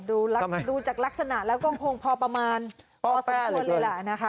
ดูจากลักษณะแล้วก็คงพอประมาณพอสมควรเลยล่ะนะคะ